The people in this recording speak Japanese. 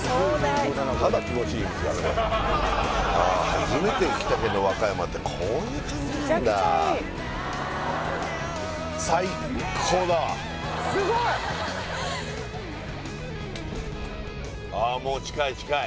初めて来たけど和歌山ってこういう感じなんだああ